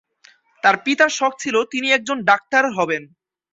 তার পিতার শখ ছিলো তিনি একজন ডাক্তার হবেন।